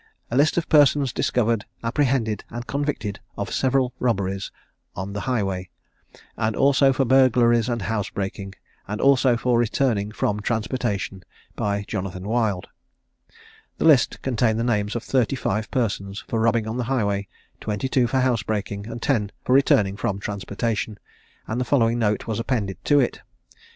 "A List of persons discovered, apprehended, and convicted of several robberies on the highway; and also for burglaries and housebreaking; and also for returning from transportation; by Jonathan Wild." The list contained the names of thirty five persons for robbing on the highway, twenty two for housebreaking, and ten for returning from transportation, and the following note was appended to it.